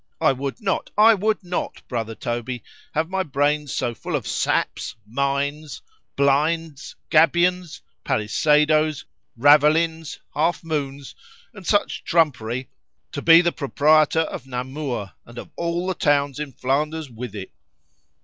—I would not, I would not, brother Toby, have my brains so full of saps, mines, blinds, gabions, pallisadoes, ravelins, half moons, and such trumpery, to be proprietor of Namur, and of all the towns in Flanders with it.